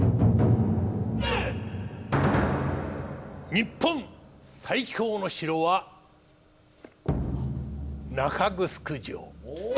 「日本最強の城」は中城城。